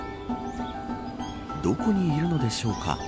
どこにいるのでしょうか。